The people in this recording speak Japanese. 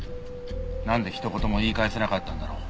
なんでひと言も言い返せなかったんだろう。